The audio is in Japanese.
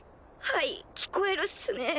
はい聞こえるっすね。